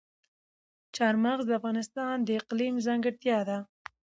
چار مغز د افغانستان د اقلیم ځانګړتیا ده.